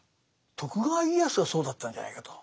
徳川家康がそうだったんじゃないかと。